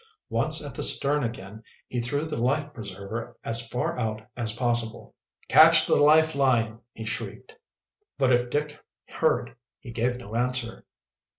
Once at the stern again, he threw the life preserver as far out as possible. "Catch the lifeline!" he shrieked. But if Dick heard he gave no answer.